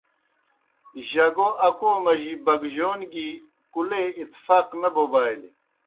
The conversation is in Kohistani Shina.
جگو اکو مجی بگجون گیْ کُلے اتفاق نہ بوبالیْ۔